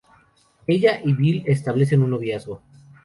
Ella y Bill establecen un noviazgo.